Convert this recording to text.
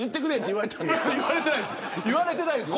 言われてないです。